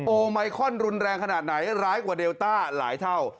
ไมคอนรุนแรงขนาดไหนร้ายกว่าเดลต้าหลายเท่า